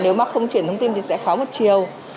nếu mà không chuyển thông tin thì sẽ khó một chiều